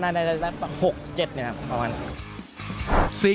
น่าจะได้๖๗ประมาณนี้